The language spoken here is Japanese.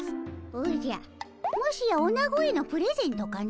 おじゃもしやおなごへのプレゼントかの？